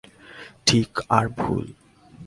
ঠিক আর ভুল?